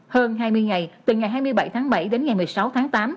hơn hai mươi ngày từ ngày hai mươi bảy tháng bảy đến ngày một mươi sáu tháng tám